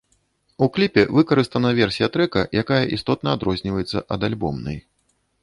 У кліпе выкарыстана версія трэка, якая істотна адрозніваецца ад альбомнай.